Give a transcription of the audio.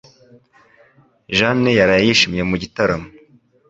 Jane yaraye yishimye mu gitaramo